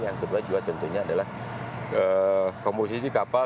yang kedua juga tentunya adalah komposisi kapal